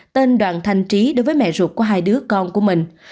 tên đoàn thanh trí đối với mẹ ruột của hai đứa con của mình